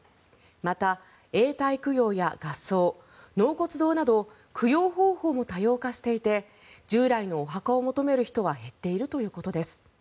また永代供養や合葬、納骨堂など供養方法も多様化していて従来のお墓を求める人は減っているということです。